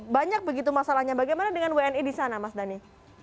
banyak begitu masalahnya bagaimana dengan wni di sana mas dhani